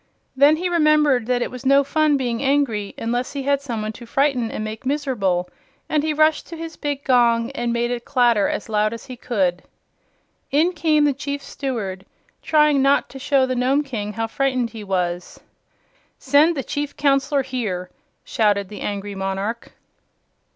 Then he remembered that it was no fun being angry unless he had some one to frighten and make miserable, and he rushed to his big gong and made it clatter as loud as he could. In came the Chief Steward, trying not to show the Nome King how frightened he was. "Send the Chief Counselor here!" shouted the angry monarch.